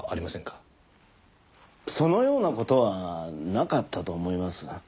そのような事はなかったと思います。